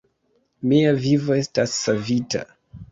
Mia vivo estas savita.